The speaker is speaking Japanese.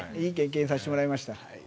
いい経験させてもらいました。